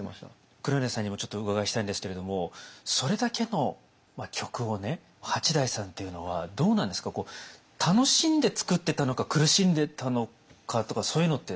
黒柳さんにもちょっとお伺いしたいんですけれどもそれだけの曲を八大さんっていうのはどうなんですか楽しんで作ってたのか苦しんでたのかとかそういうのって？